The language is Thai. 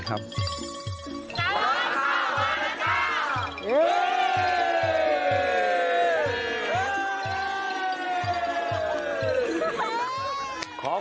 จับข้าวมาแล้วจ้าว